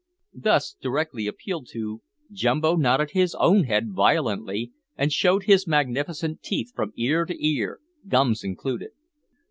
Thus directly appealed to, Jumbo nodded his own head violently, and showed his magnificent teeth from ear to ear, gums included.